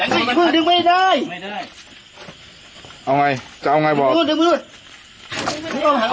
ไม่ได้ยกมาเลยไม่ได้เอาไงจะเอาไงบอกเอามา